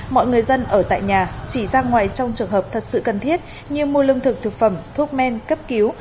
mọi người dân ở tại nhà chỉ ra ngoài trong trường hợp thật sự cần thiết như mua lương thực thực phẩm thuốc men cấp cứu